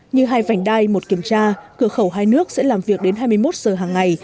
như hai vành đai một kiểm tra cửa khẩu hai nước sẽ làm việc đến hai mươi một giờ hàng ngày